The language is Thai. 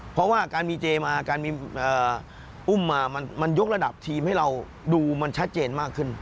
เพราะว่าการมีเจมาการอุ้มมามันยกระดับทีมให้เราดูมันชัดเจนมากขึ้น